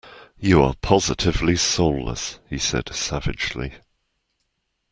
You are positively soulless, he said savagely.